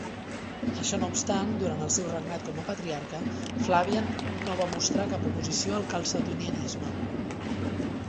Això no obstant, durant el seu regnat com a patriarca, Flavian no va mostrar cap oposició al calcedonianisme.